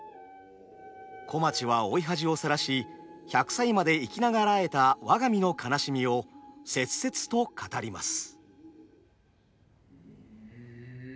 小町は老い恥をさらし１００歳まで生き長らえた我が身の悲しみを切々と語ります。